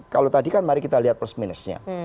kalau tadi kan mari kita lihat plus minusnya